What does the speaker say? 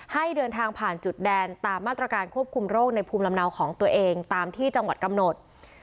ให้เดินทางผ่านจุดแดนตามมาตรการควบคุมโรคในภูมิลำเนาของตัวเองตามที่จังหวัดกำหนด